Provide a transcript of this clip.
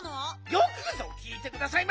よくぞきいてくださいました！